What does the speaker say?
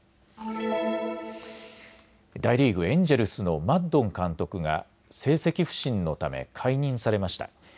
大リーグ、エンジェルスのマッドン監督が成績不振のため解任されました。